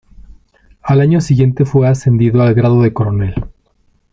Al año siguiente fue ascendido al grado de coronel.